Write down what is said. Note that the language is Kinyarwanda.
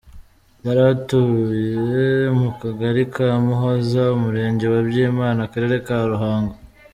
Yari atuye mu Kagari ka Muhoza, Umurenge wa Byimana, Akarere ka Ruhango.